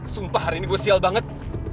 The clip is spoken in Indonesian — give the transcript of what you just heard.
sumpah hari ini gue sial banget